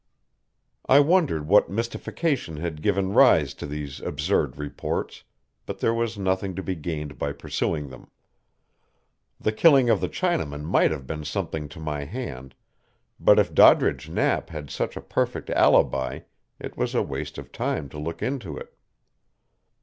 I wondered what mystification had given rise to these absurd reports, but there was nothing to be gained by pursuing them. The killing of the Chinaman might have been something to my hand, but if Doddridge Knapp had such a perfect alibi it was a waste of time to look into it.